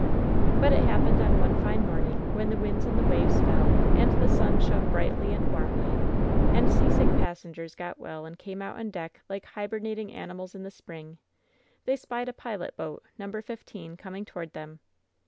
But it happened on one fine morning, when the winds and the waves fell and the sun shone brightly and warmly, and seasick passengers got well and came out on deck like hibernating animals in the spring — ^they spied a pilot boat — Number 15 — coming toward them.